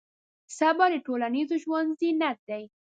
صبر د ټولنیز ژوند زینت دی.